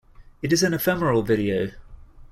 It is an ephemeral video.